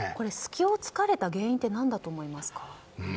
隙を突かれた原因って何だと思いますか？